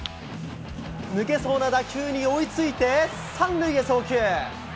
抜けそうな打球に追いついて、３塁へ送球。